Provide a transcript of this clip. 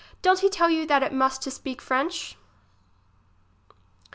Don't he tell you that it must to speak f rench